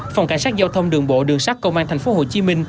phòng cảnh sát giao thông đường bộ đường sát công an tp hcm